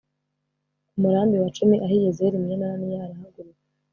ku murambi wa cumi ahiyezeri mwene ananiya arahagaruka